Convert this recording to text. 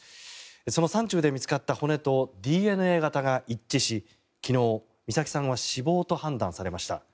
その山中で見つかった骨とＤＮＡ型が一致し昨日、美咲さんは死亡と判断されました。